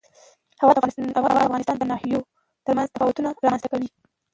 هوا د افغانستان د ناحیو ترمنځ تفاوتونه رامنځ ته کوي.